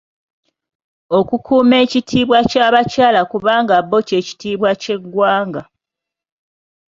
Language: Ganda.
Okukuuma ekitiibwa ky’abakyala kubanga bo ky’ekitiibwa ky’eggwanga.